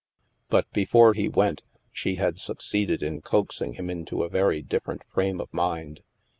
But before he went, she had succeeded in coaxing him into a very different frame of mind.